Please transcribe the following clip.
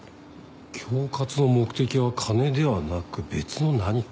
恐喝の目的は金ではなく別の何か。